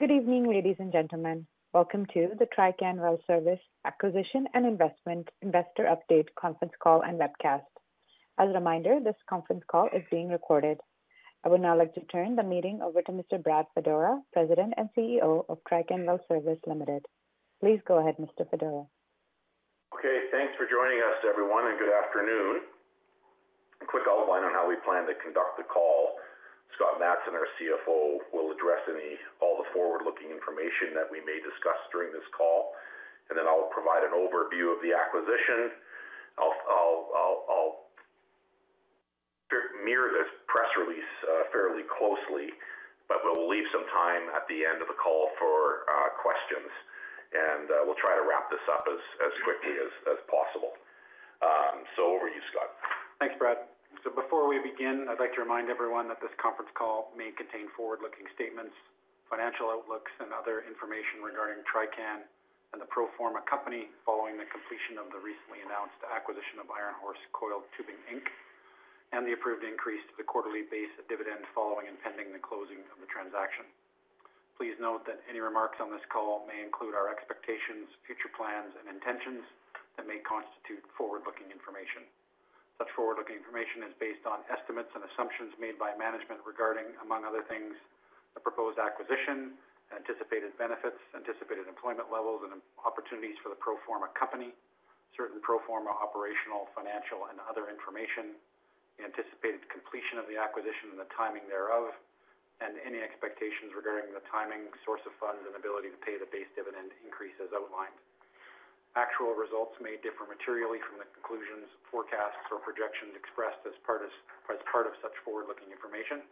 Good evening, ladies and gentlemen. Welcome to the Trican Well Service Acquisition and Investment Investor Update Conference Call and Webcast. As a reminder, this conference call is being recorded. I would now like to turn the meeting over to Mr. Brad Fedora, President and CEO of Trican Well Service Ltd. Please go ahead, Mr. Fedora. Okay. Thanks for joining us, everyone, and good afternoon. A quick outline on how we plan to conduct the call. Scott Matson, our CFO, will address all the forward-looking information that we may discuss during this call. I'll provide an overview of the acquisition. I'll mirror this press release fairly closely, but we'll leave some time at the end of the call for questions. We'll try to wrap this up as quickly as possible. Over to you, Scott. Thanks, Brad. Before we begin, I'd like to remind everyone that this conference call may contain forward-looking statements, financial outlooks, and other information regarding Trican and the pro forma company following the completion of the recently announced acquisition of Iron Horse Coiled Tubing Inc and the approved increase to the quarterly base of dividend following and pending the closing of the transaction. Please note that any remarks on this call may include our expectations, future plans, and intentions that may constitute forward-looking information. Such forward-looking information is based on estimates and assumptions made by management regarding, among other things, the proposed acquisition, anticipated benefits, anticipated employment levels, and opportunities for the pro forma company, certain pro forma operational, financial, and other information, the anticipated completion of the acquisition and the timing thereof, and any expectations regarding the timing, source of funds, and ability to pay the base dividend increase as outlined. Actual results may differ materially from the conclusions, forecasts, or projections expressed as part of such forward-looking information.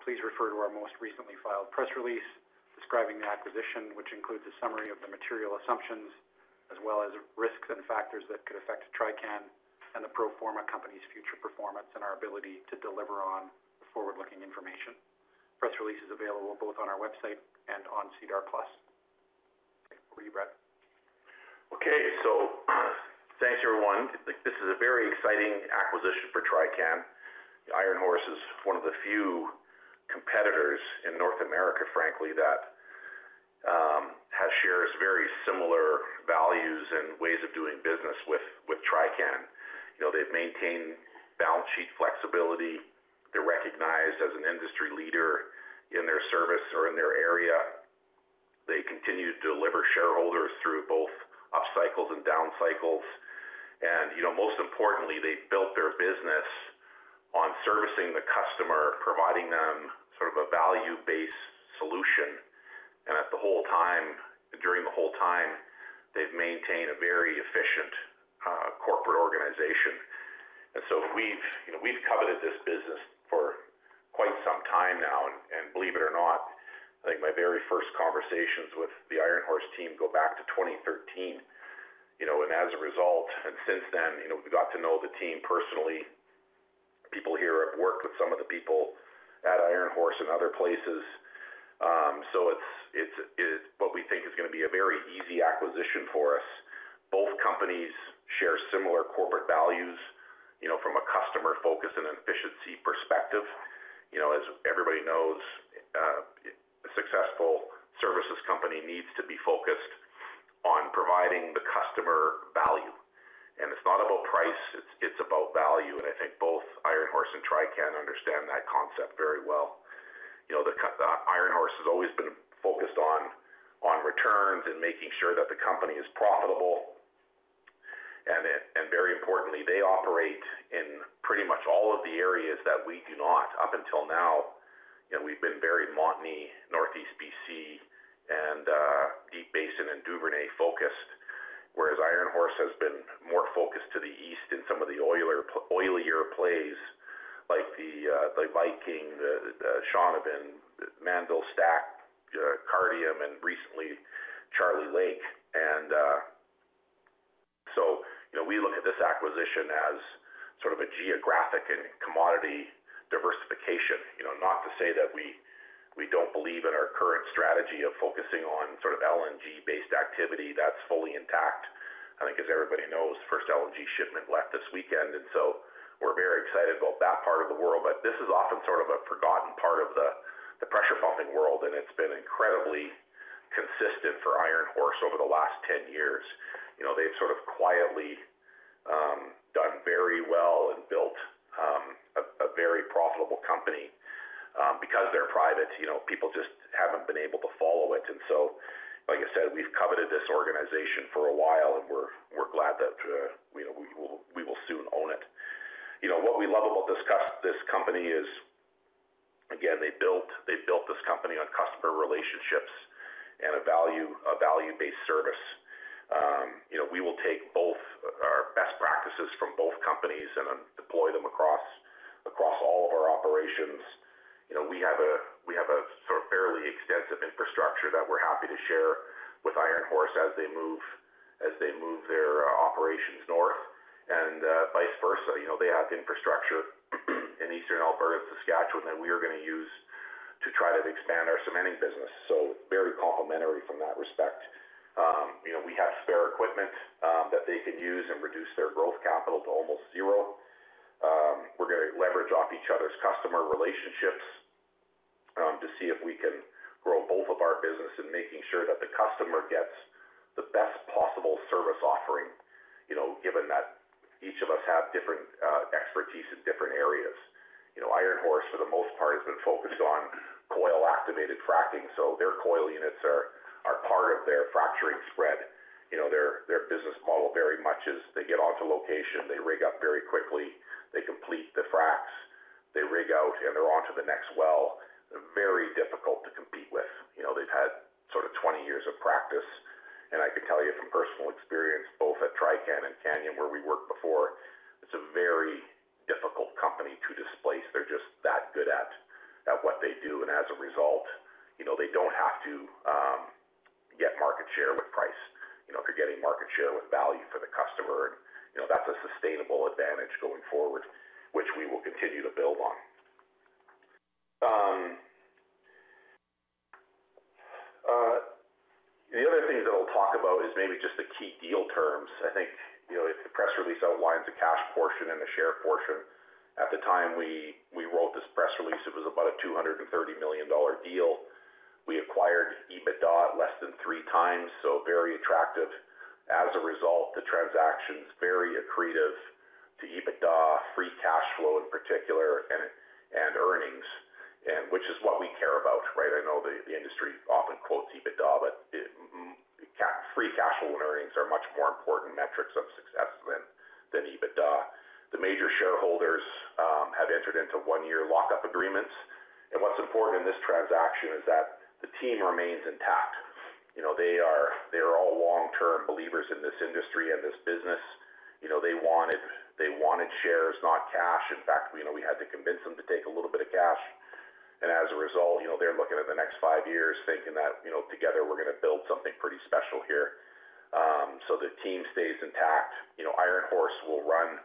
Please refer to our most recently filed press release describing the acquisition, which includes a summary of the material assumptions as well as risks and factors that could affect Trican and the pro forma company's future performance and our ability to deliver on forward-looking information. Press release is available both on our website and on SEDAR+. Over to you, Brad. Okay. Thanks, everyone. This is a very exciting acquisition for Trican. Iron Horse is one of the few competitors in North America, frankly, that shares very similar values and ways of doing business with Trican. They've maintained balance sheet flexibility. They're recognized as an industry leader in their service or in their area. They continue to deliver for shareholders through both up cycles and down cycles. Most importantly, they've built their business on servicing the customer, providing them sort of a value-based solution. During the whole time, they've maintained a very efficient corporate organization. We've coveted this business for quite some time now. Believe it or not, I think my very first conversations with the Iron Horse team go back to 2013. Since then, we've got to know the team personally. People here have worked with some of the people at Iron Horse and other places. It is what we think is going to be a very easy acquisition for us. Both companies share similar corporate values from a customer-focused and efficiency perspective. As everybody knows, a successful services company needs to be focused on providing the customer value. It is not about price. It is about value. I think both Iron Horse and Trican understand that concept very well. Iron Horse has always been focused on returns and making sure that the company is profitable. Very importantly, they operate in pretty much all of the areas that we do not. Up until now, we've been very Montney, Northeast British Columbia, and Deep Basin and Duvernay focused, whereas Iron Horse has been more focused to the east in some of the oilier plays like the Viking, the Shaunavon, Mannville Stack, Cardium, and recently Charlie Lake. We look at this acquisition as sort of a geographic and commodity diversification. Not to say that we don't believe in our current strategy of focusing on sort of LNG-based activity. That's fully intact. I think, as everybody knows, the first LNG shipment left this weekend. We are very excited about that part of the world. This is often sort of a forgotten part of the pressure pumping world. It has been incredibly consistent for Iron Horse over the last 10 years. They have sort of quietly done very well and built a very profitable company. Because they're private, people just haven't been able to follow it. Like I said, we've coveted this organization for a while, and we're glad that we will soon own it. What we love about this company is, again, they built this company on customer relationships and a value-based service. We will take our best practices from both companies and deploy them across all of our operations. We have a sort of fairly extensive infrastructure that we're happy to share with Iron Horse as they move their operations north and vice versa. They have infrastructure in eastern Alberta, Saskatchewan, that we are going to use to try to expand our cementing business. Very complementary from that respect. We have spare equipment that they can use and reduce their growth capital to almost zero. We're going to leverage off each other's customer relationships to see if we can grow both of our businesses and making sure that the customer gets the best possible service offering, given that each of us have different expertise in different areas. Iron Horse, for the most part, has been focused on coil-activated fracking. So their coil units are part of their fracturing spread. Their business model very much is they get onto location, they rig up very quickly, they complete the fracs, they rig out, and they're onto the next well. They're very difficult to compete with. They've had sort of 20 years of practice. I can tell you from personal experience, both at Trican and Canyon, where we worked before, it's a very difficult company to displace. They're just that good at what they do. As a result, they do not have to get market share with price. If you are getting market share with value for the customer, that is a sustainable advantage going forward, which we will continue to build on. The other things that I will talk about is maybe just the key deal terms. I think the press release outlines the cash portion and the share portion. At the time we wrote this press release, it was about a $230 million deal. We acquired EBITDA less than 3x, so very attractive. As a result, the transaction is very accretive to EBITDA, free cash flow in particular, and earnings, which is what we care about. I know the industry often quotes EBITDA, but free cash flow and earnings are much more important metrics of success than EBITDA. The major shareholders have entered into one-year lock-up agreements. What's important in this transaction is that the team remains intact. They are all long-term believers in this industry and this business. They wanted shares, not cash. In fact, we had to convince them to take a little bit of cash. As a result, they're looking at the next five years thinking that together we're going to build something pretty special here. The team stays intact. Iron Horse will run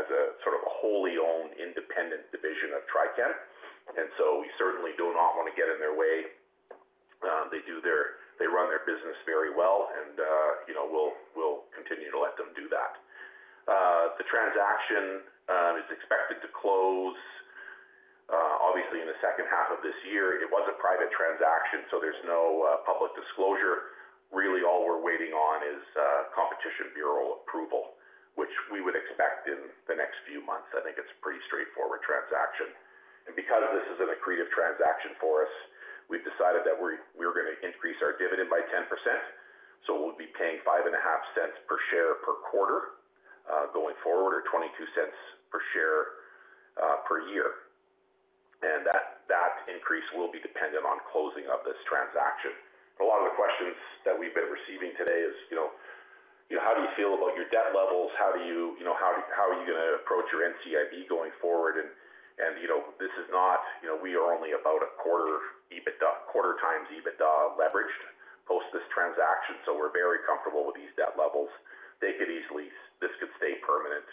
as a sort of a wholly owned, independent division of Trican. We certainly do not want to get in their way. They run their business very well, and we'll continue to let them do that. The transaction is expected to close, obviously, in the second half of this year. It was a private transaction, so there's no public disclosure. Really, all we're waiting on is Competition Bureau approval, which we would expect in the next few months. I think it's a pretty straightforward transaction. Because this is an accretive transaction for us, we've decided that we're going to increase our dividend by 10%. We'll be paying $0.055 per share per quarter going forward or $0.22 per share per year. That increase will be dependent on closing of this transaction. A lot of the questions that we've been receiving today is, "How do you feel about your debt levels? How are you going to approach your NCIB going forward?" We are only about a 1/4x EBITDA leveraged post this transaction. We're very comfortable with these debt levels. This could stay permanent.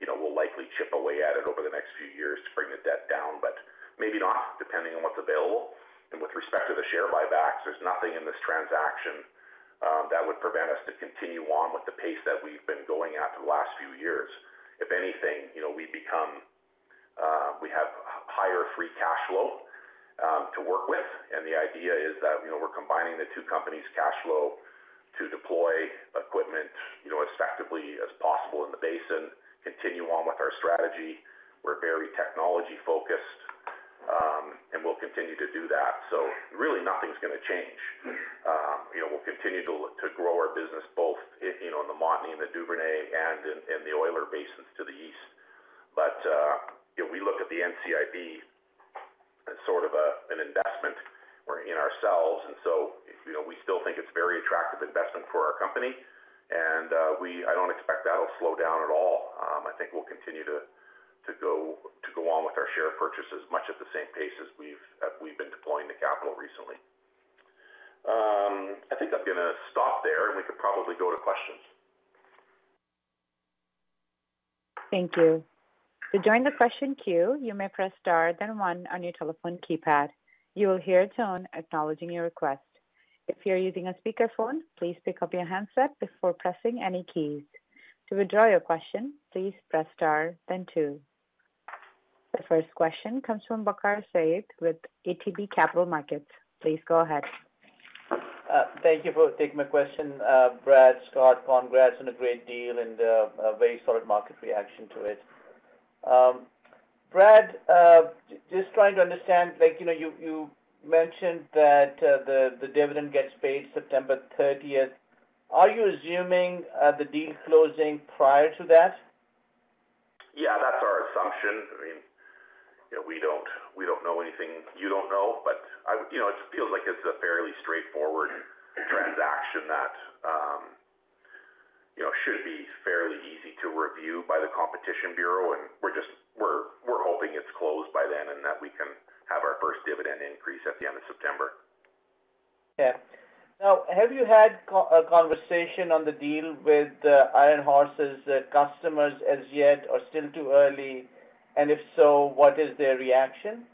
We'll likely chip away at it over the next few years to bring the debt down, but maybe not, depending on what's available. With respect to the share buybacks, there's nothing in this transaction that would prevent us from continuing on with the pace that we've been going at for the last few years. If anything, we have higher free cash flow to work with. The idea is that we're combining the two companies' cash flow to deploy equipment as effectively as possible in the basin, continuing on with our strategy. We're very technology-focused, and we'll continue to do that. Really, nothing's going to change. We'll continue to grow our business both in the Montney and the Duvernay and in the oiler basins to the east. We look at the NCIB as sort of an investment. We're in ourselves. We still think it's a very attractive investment for our company. I do not expect that will slow down at all. I think we will continue to go on with our share purchase at the same pace as we have been deploying the capital recently. I think I am going to stop there, and we could probably go to questions. Thank you. To join the question queue, you may press star, then one on your telephone keypad. You will hear a tone acknowledging your request. If you're using a speakerphone, please pick up your handset before pressing any keys. To withdraw your question, please press star, then two. The first question comes from Waqar Syed with ATB Capital Markets. Please go ahead. Thank you for taking my question, Brad. Scott, congrats on a great deal and a very solid market reaction to it. Brad, just trying to understand, you mentioned that the dividend gets paid September 30th. Are you assuming the deal closing prior to that? Yeah, that's our assumption. I mean, we don't know anything you don't know, but it feels like it's a fairly straightforward transaction that should be fairly easy to review by the Competition Bureau. We're hoping it's closed by then and that we can have our first dividend increase at the end of September. Yeah. Now, have you had a conversation on the deal with Iron Horse's customers as yet or still too early? If so, what is their reaction?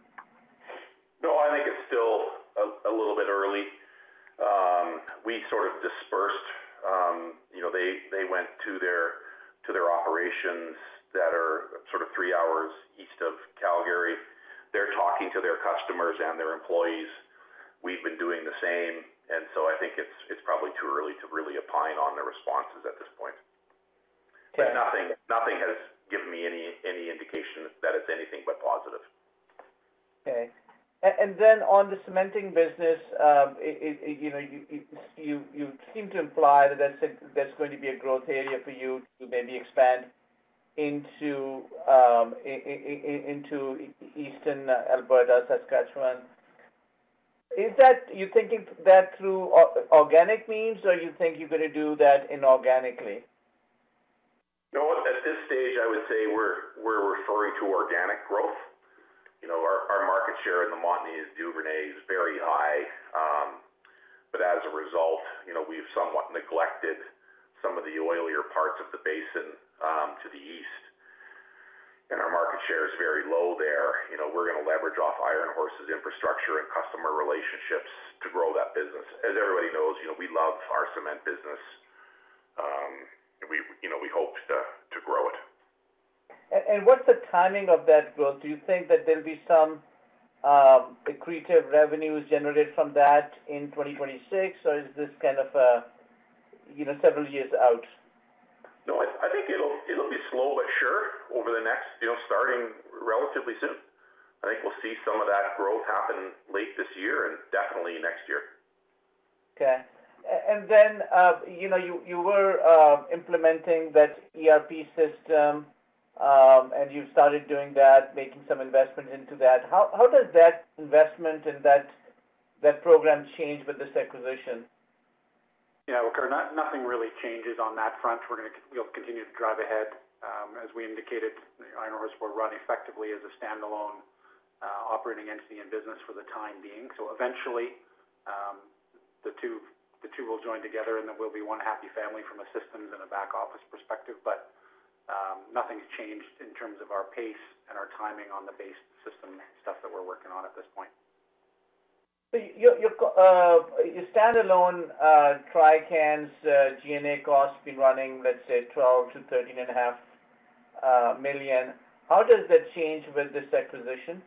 No, I think it's still a little bit early. We sort of dispersed. They went to their operations that are sort of three hours east of Calgary. They're talking to their customers and their employees. We've been doing the same. I think it's probably too early to really opine on their responses at this point. Nothing has given me any indication that it's anything but positive. Okay. On the cementing business, you seem to imply that there's going to be a growth area for you to maybe expand into eastern Alberta, Saskatchewan. Is that you're thinking that through organic means, or do you think you're going to do that inorganically? No, at this stage, I would say we're referring to organic growth. Our market share in the Montney and Duvernay is very high. As a result, we've somewhat neglected some of the oilier parts of the basin to the east. Our market share is very low there. We're going to leverage off Iron Horse's infrastructure and customer relationships to grow that business. As everybody knows, we love our cement business. We hope to grow it. What is the timing of that growth? Do you think that there will be some accretive revenues generated from that in 2026, or is this kind of several years out? No, I think it'll be slow but sure over the next, starting relatively soon. I think we'll see some of that growth happen late this year and definitely next year. Okay. You were implementing that ERP system, and you've started doing that, making some investment into that. How does that investment in that program change with this acquisition? Yeah, Waqar, nothing really changes on that front. We'll continue to drive ahead. As we indicated, Iron Horse will run effectively as a standalone operating entity and business for the time being. Eventually, the two will join together, and there will be one happy family from a systems and a back office perspective. Nothing's changed in terms of our pace and our timing on the base system stuff that we're working on at this point. Your standalone Trican's G&A costs have been running, let's say, $12 million-$13.5 million. How does that change with this acquisition?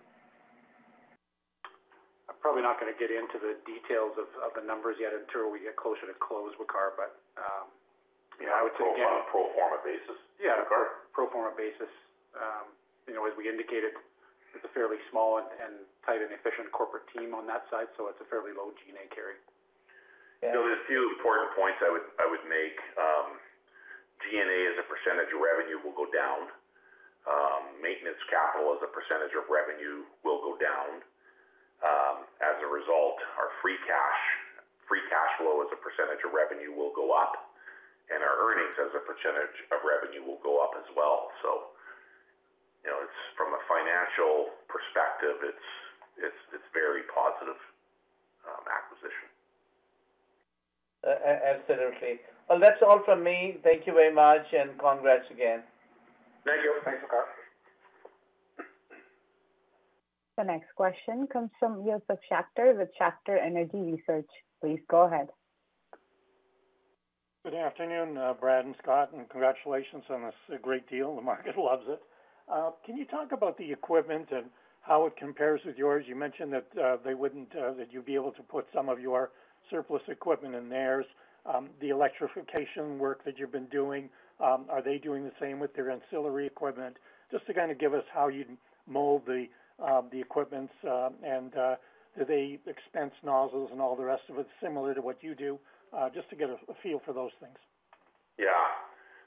I'm probably not going to get into the details of the numbers yet until we get closer to close, Waqar, but I would say. Pro forma basis. Yeah, pro forma basis. As we indicated, it's a fairly small and tight and efficient corporate team on that side. So it's a fairly low G&A carry. A few important points I would make. G&A as a percentage of revenue will go down. Maintenance capital as a percentage of revenue will go down. As a result, our free cash flow as a percentage of revenue will go up. Our earnings as a percentage of revenue will go up as well. From a financial perspective, it is a very positive acquisition. Absolutely. That is all from me. Thank you very much, and congrats again. Thank you. Thanks, Waqar. The next question comes from Josef Schachter with Schachter Energy Research. Please go ahead. Good afternoon, Brad and Scott. Congratulations on a great deal. The market loves it. Can you talk about the equipment and how it compares with yours? You mentioned that you'd be able to put some of your surplus equipment in theirs. The electrification work that you've been doing, are they doing the same with their ancillary equipment? Just to kind of give us how you mold the equipment. Do they expense nozzles and all the rest of it similar to what you do? Just to get a feel for those things. Yeah.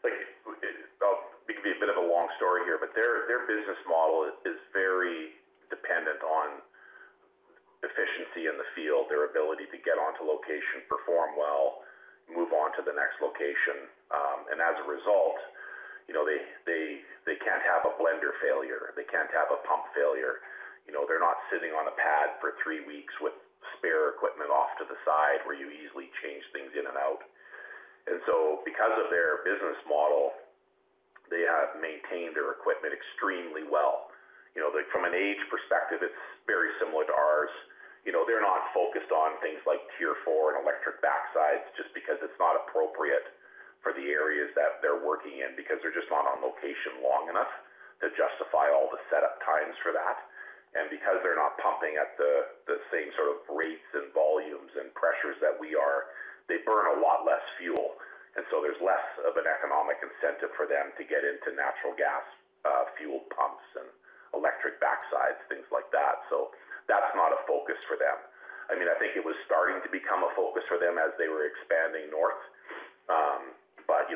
I'll be a bit of a long story here, but their business model is very dependent on efficiency in the field, their ability to get onto location, perform well, move on to the next location. As a result, they can't have a blender failure. They can't have a pump failure. They're not sitting on a pad for three weeks with spare equipment off to the side where you easily change things in and out. Because of their business model, they have maintained their equipment extremely well. From an age perspective, it's very similar to ours. They're not focused on things like tier 4 and electric backsides just because it's not appropriate for the areas that they're working in because they're just not on location long enough to justify all the setup times for that. Because they're not pumping at the same sort of rates and volumes and pressures that we are, they burn a lot less fuel. There is less of an economic incentive for them to get into natural gas fuel pumps and electric backsides, things like that. That is not a focus for them. I mean, I think it was starting to become a focus for them as they were expanding north, but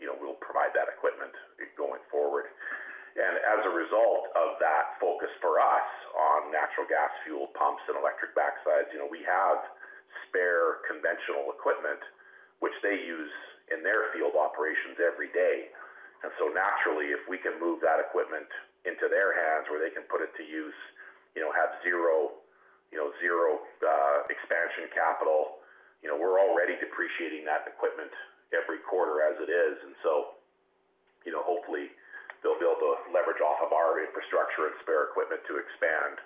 we will provide that equipment going forward. As a result of that focus for us on natural gas fuel pumps and electric backsides, we have spare conventional equipment, which they use in their field operations every day. Naturally, if we can move that equipment into their hands where they can put it to use, have zero expansion capital, we are already depreciating that equipment every quarter as it is. Hopefully, they'll be able to leverage off of our infrastructure and spare equipment to expand.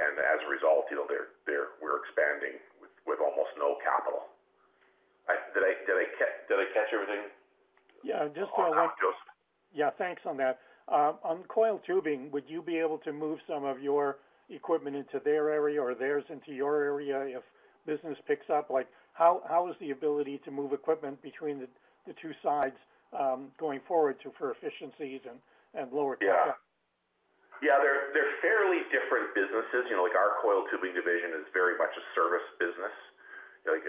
As a result, we're expanding with almost no capital. Did I catch everything? Yeah, just. Yeah, thanks on that. On coiled tubing, would you be able to move some of your equipment into their area or theirs into your area if business picks up? How is the ability to move equipment between the two sides going forward for efficiencies and lower cost? Yeah. Yeah, they're fairly different businesses. Our coil tubing division is very much a service business, like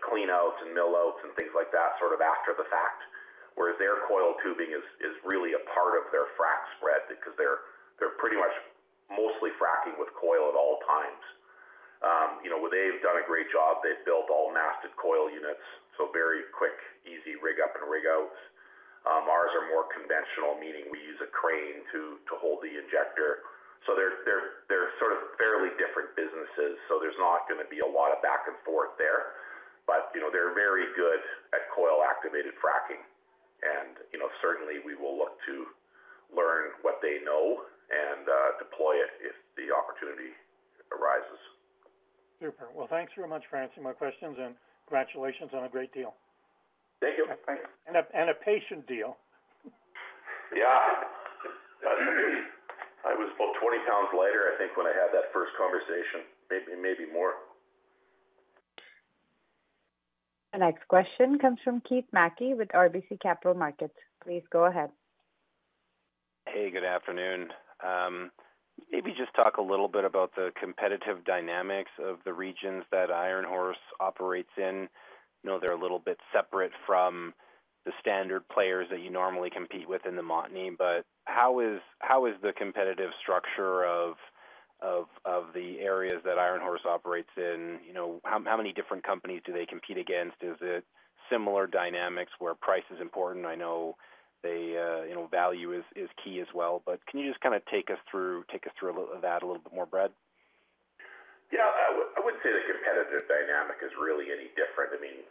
clean-outs and mill-outs and things like that sort of after the fact. Whereas their coil tubing is really a part of their frac spread because they're pretty much mostly fracking with coil at all times. They've done a great job. They've built all masted coil units, so very quick, easy rig up and rig outs. Ours are more conventional, meaning we use a crane to hold the injector. So they're sort of fairly different businesses. There's not going to be a lot of back and forth there. They're very good at coil-activated fracking. Certainly, we will look to learn what they know and deploy it if the opportunity arises. Super. Thanks very much for answering my questions, and congratulations on a great deal. Thank you. A patient deal. Yeah. I was about 20 lbs lighter, I think, when I had that first conversation, maybe more. The next question comes from Keith Mackey with RBC Capital Markets. Please go ahead. Hey, good afternoon. Maybe just talk a little bit about the competitive dynamics of the regions that Iron Horse operates in. I know they're a little bit separate from the standard players that you normally compete with in the Montney, but how is the competitive structure of the areas that Iron Horse operates in? How many different companies do they compete against? Is it similar dynamics where price is important? I know value is key as well. Can you just kind of take us through that a little bit more, Brad? Yeah. I wouldn't say the competitive dynamic is really any different. I mean,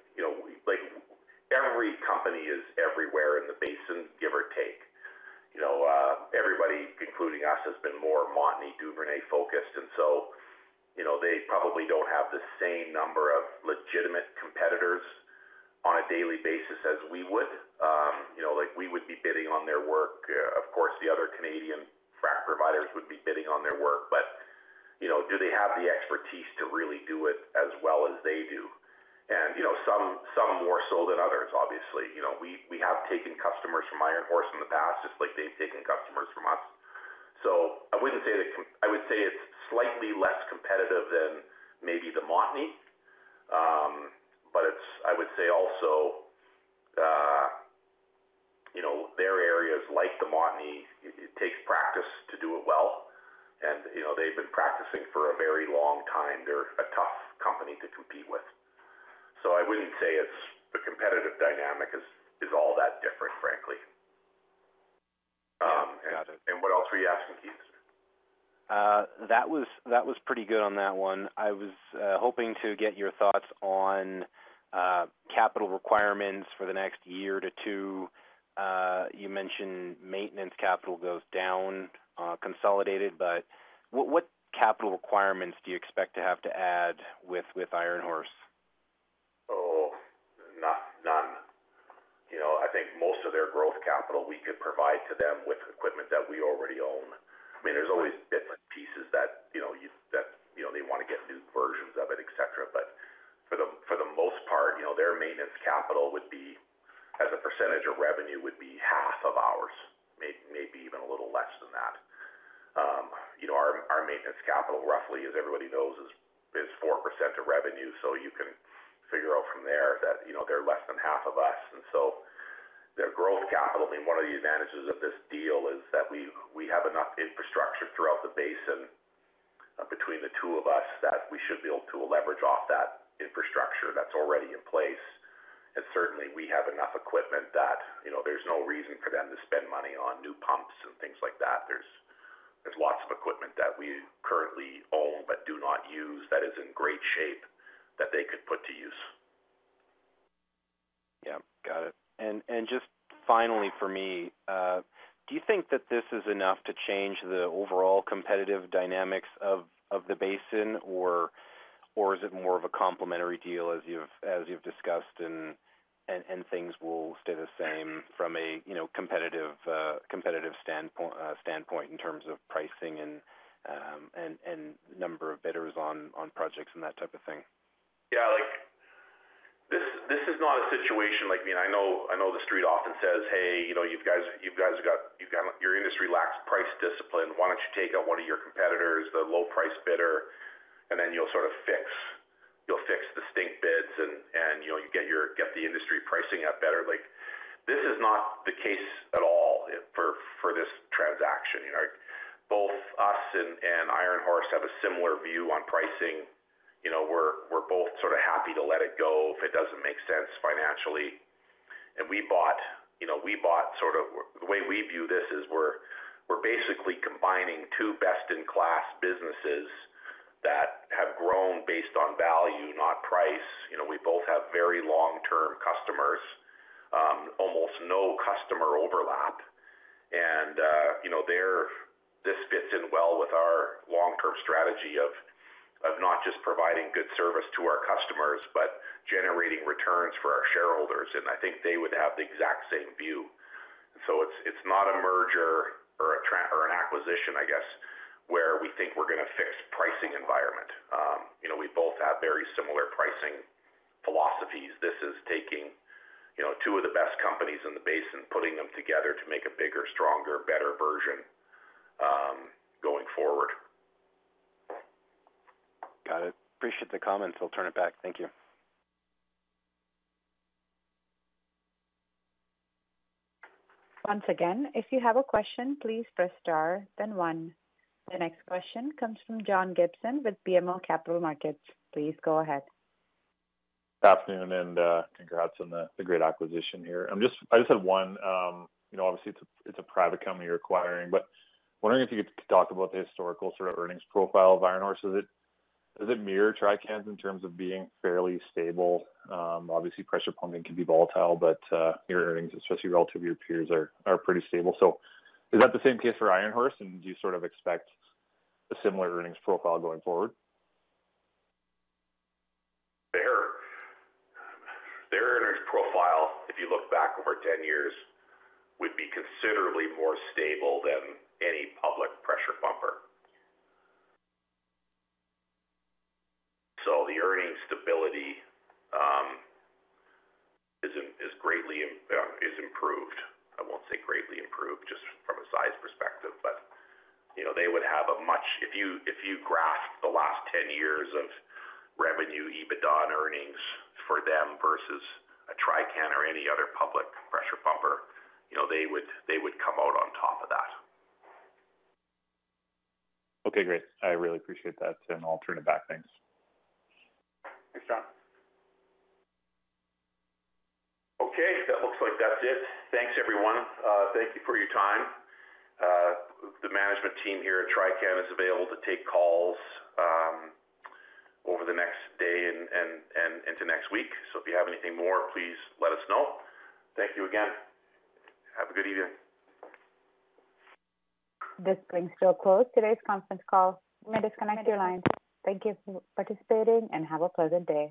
every company is everywhere in the basin, give or take. Everybody, including us, has been more Montney-Duvernay focused. They probably do not have the same number of legitimate competitors on a daily basis as we would. We would be bidding on their work. Of course, the other Canadian frac providers would be bidding on their work. Do they have the expertise to really do it as well as they do? Some more so than others, obviously. We have taken customers from Iron Horse in the past just like they have taken customers from us. I would not say that. I would say it is slightly less competitive than maybe the Montney. I would say also their areas, like the Montney, it takes practice to do it well. They've been practicing for a very long time. They're a tough company to compete with. I wouldn't say the competitive dynamic is all that different, frankly. What else were you asking, Keith? That was pretty good on that one. I was hoping to get your thoughts on capital requirements for the next year to two. You mentioned maintenance capital goes down, consolidated. What capital requirements do you expect to have to add with Iron Horse? Oh, none. I think most of their growth capital, we could provide to them with equipment that we already own. I mean, there's always different pieces that they want to get new versions of it, etc. For the most part, their maintenance capital would be, as a percentage of revenue, would be 1/2 of ours, maybe even a little less than that. Our maintenance capital, roughly, as everybody knows, is 4% of revenue. You can figure out from there that they're less than 1/2 of us. Their growth capital, I mean, one of the advantages of this deal is that we have enough infrastructure throughout the basin between the two of us that we should be able to leverage off that infrastructure that's already in place. We have enough equipment that there's no reason for them to spend money on new pumps and things like that. There's lots of equipment that we currently own but do not use that is in great shape that they could put to use. Yeah. Got it. Just finally for me, do you think that this is enough to change the overall competitive dynamics of the basin, or is it more of a complementary deal as you've discussed and things will stay the same from a competitive standpoint in terms of pricing and number of bidders on projects and that type of thing? Yeah. This is not a situation like, I mean, I know the street often says, "Hey, you've got your industry lacks price discipline. Why don't you take out one of your competitors, the low-price bidder?" Then you will sort of fix distinct bids and you get the industry pricing up better. This is not the case at all for this transaction. Both us and Iron Horse have a similar view on pricing. We are both sort of happy to let it go if it does not make sense financially. The way we view this is we are basically combining two best-in-class businesses that have grown based on value, not price. We both have very long-term customers, almost no customer overlap. This fits in well with our long-term strategy of not just providing good service to our customers, but generating returns for our shareholders. I think they would have the exact same view. It is not a merger or an acquisition, I guess, where we think we are going to fix pricing environment. We both have very similar pricing philosophies. This is taking two of the best companies in the basin, putting them together to make a bigger, stronger, better version going forward. Got it. Appreciate the comments. I'll turn it back. Thank you. Once again, if you have a question, please press star, then one. The next question comes from John Gibson with BMO Capital Markets. Please go ahead. Good afternoon and congrats on the great acquisition here. I just had one. Obviously, it's a private company you're acquiring, but wondering if you could talk about the historical sort of earnings profile of Iron Horse. Is it mirrored Trican's in terms of being fairly stable? Obviously, pressure pumping can be volatile, but your earnings, especially relative to your peers, are pretty stable. Is that the same case for Iron Horse? Do you sort of expect a similar earnings profile going forward? Their earnings profile, if you look back over 10 years, would be considerably more stable than any public pressure pumper. The earnings stability is greatly improved. I will not say greatly improved just from a size perspective, but they would have a much, if you graph the last 10 years of revenue, EBITDA, and earnings for them versus a Trican or any other public pressure pumper, they would come out on top of that. Okay. Great. I really appreciate that. I'll turn it back. Thanks. Thanks, John. Okay. That looks like that's it. Thanks, everyone. Thank you for your time. The management team here at Trican is available to take calls over the next day and into next week. If you have anything more, please let us know. Thank you again. Have a good evening. This brings to a close today's conference call. We may disconnect your line. Thank you for participating and have a pleasant day.